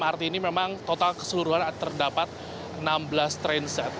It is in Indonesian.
arti ini memang total keseluruhan terdapat enam belas train set